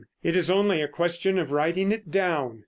It is only a question of writing it down.